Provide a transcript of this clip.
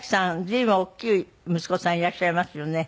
随分大きい息子さんいらっしゃいますよね。